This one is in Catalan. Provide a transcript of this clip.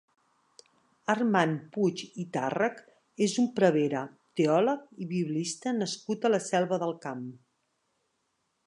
Armand Puig i Tàrrech és un prevere, teòleg i biblista nascut a la Selva del Camp.